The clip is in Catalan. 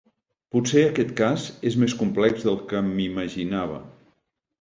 Potser aquest cas és més complex del que m'imaginava.